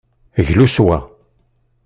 Glu s wa.